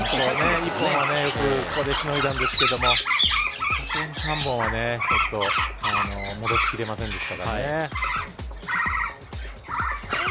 １本は、ここでよくしのいだんですけどもさすがに３本はちょっと戻しきれませんでしたからね。